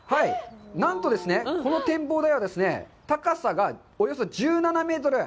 なんとですね、この展望台はですね、高さがおよそ１７メートル。